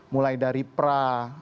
mulai dari pra